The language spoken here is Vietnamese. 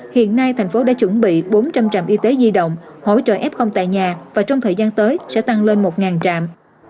hiện nay thành phố đã chuẩn bị bốn trăm linh trạm y tế di động hỗ trợ f tại nhà và trong thời gian tới sẽ tăng lên một trạm